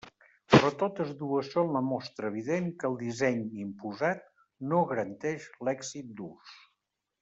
Però totes dues són la mostra evident que el disseny imposat no garanteix l'èxit d'ús.